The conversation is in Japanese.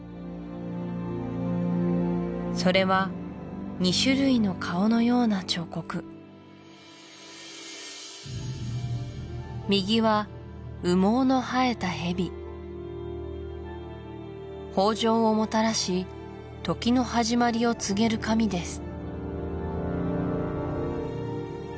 それは２種類の顔のような彫刻右は豊穣をもたらし時の始まりを告げる神です